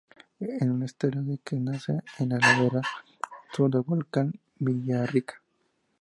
Es un estero de que nace en la ladera sur del volcán Villarrica.